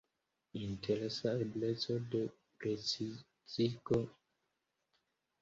Interesa ebleco de precizigo.